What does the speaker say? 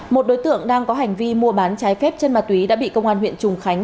một đối tượng đang có hành vi mua bán trái phép chân ma túy đã bị công an huyện trùng khánh